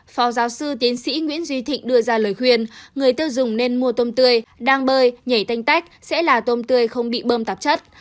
phó giáo sư tiến sĩ nguyễn duy thịnh đưa ra lời khuyên người tiêu dùng nên mua tôm tươi đang bơi nhảy canh tác sẽ là tôm tươi không bị bơm tạp chất